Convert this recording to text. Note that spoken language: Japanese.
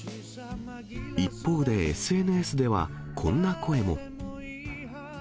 一方でＳＮＳでは、こんな声も。